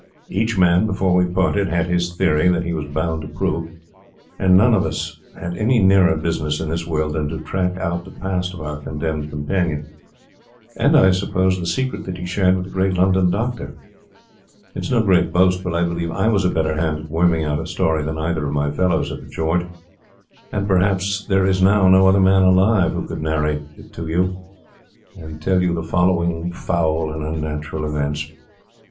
Each man, before we parted, had his theory that he was bound to prove; and none of us had any nearer business in this world than to track out the past of our condemned companion, and surprise the secret that he shared with the great London doctor. It is no great boast, but I believe I was a better hand at worming out a story than either of my fellows at the George; and perhaps there is now no other man alive who could narrate to you the following foul and unnatural events.